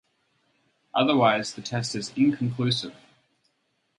Otherwise the test is inconclusive.